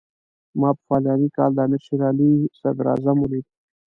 ما په فلاني کال کې د امیر شېر علي صدراعظم ولید.